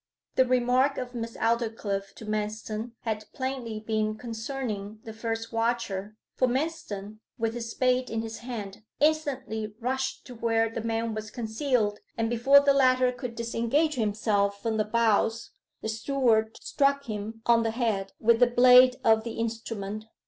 The remark of Miss Aldclyffe to Manston had plainly been concerning the first watcher, for Manston, with his spade in his hand, instantly rushed to where the man was concealed, and, before the latter could disengage himself from the boughs, the steward struck him on the head with the blade of the instrument.